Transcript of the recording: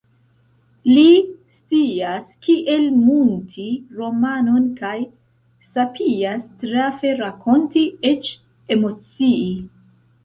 Li scias kiel munti romanon kaj sapias trafe rakonti, eĉ emocii.